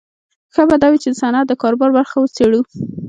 ښه به دا وي چې د صنعت د کاروبار برخه وڅېړو